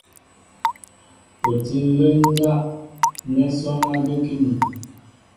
U tí ǹlə́ ǹjá' nɛ́ sɔ́ɔ́ŋ á də́kíní.